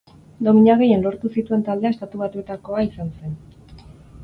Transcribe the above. Domina gehien lortu zituen taldea Estatu Batuetakoa izan zen.